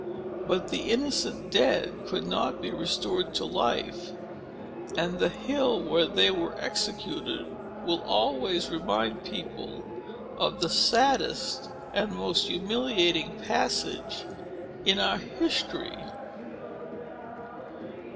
But the innocent dead could not be restored to life; and the hill where they were executed, will always remind people of the saddest and most humiliating passage in our history."